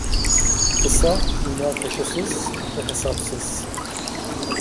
Kısa, münakaşasız ve hesapsız!